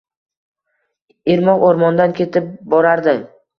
Irmoq oʻrmondan ketib borardi